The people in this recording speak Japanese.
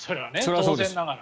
当然ながら。